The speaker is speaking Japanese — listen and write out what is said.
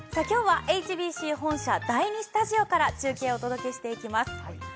今日はＨＢＣ本社、第２スタジオから中継をお届けします。